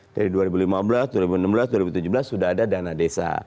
dari dua ribu lima belas dua ribu enam belas dua ribu tujuh belas sudah ada dana desa